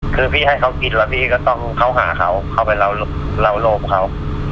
คือพี่ให้เขากินแล้วพี่ก็ต้องเข้าหาเขาเข้าไปเล่าโลภเขา